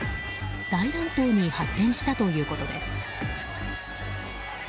大乱闘に発展したということです。